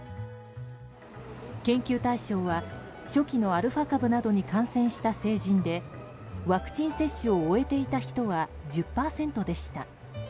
研究対象は初期のアルファ株などに感染した成人でワクチン接種を終えていた人は１０％でした。